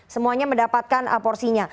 semuanya mendapatkan porsinya